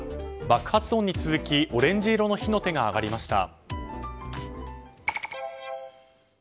爆発音に続きオレンジ色の火の手が上がりました。